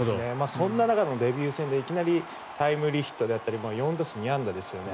そんな中のデビュー戦でいきなりタイムリーヒットだったり４打数２安打ですよね。